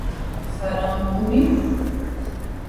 سلام، خوبی؟